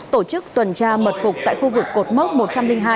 tổ chức tuần tra mật phục tại khu vực cột mốc một trăm linh hai